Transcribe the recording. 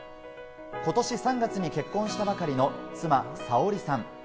今年３月に結婚したばかりの妻・紗欧里さん。